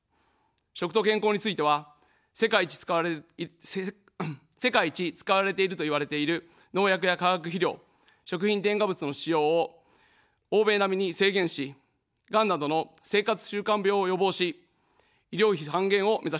食と健康については、世界一使われているといわれている農薬や化学肥料、食品添加物の使用を欧米並みに制限し、がんなどの生活習慣病を予防し、医療費半減を目指します。